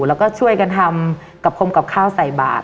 แล้วก็ช่วยกันทำกระพรมกับข้าวใส่บาท